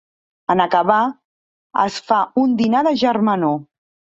En acabar, es fa un dinar de germanor.